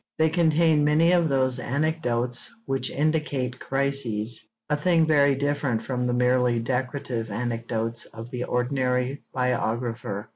They contain many of those anecdotes which indicate crises, a thing very different from the merely decorative anecdotes of the ordinary biographer.